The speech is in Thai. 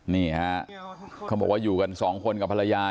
นี่ฮะเขาบอกว่าอยู่กันสองคนกับภรรยา